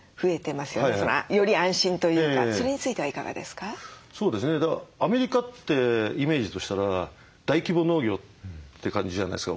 だからアメリカってイメージとしたら大規模農業って感じじゃないですか。